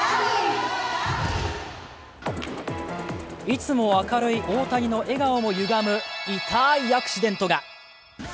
いつも明るい大谷の笑顔もゆがむ痛いアクシデントが。